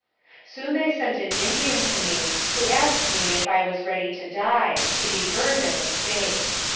Soon they sent an Indian to me, who asked me if I was ready to die to be burned at the stake.